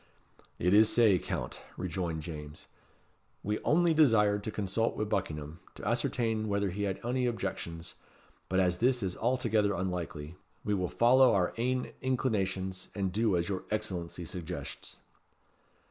"It is sae, Count," rejoined James. "We only desired to consult wi' Buckingham to ascertain whether he had ony objections; but as this is altogether unlikely, we will follow our ain inclinations and do as your Excellency suggests."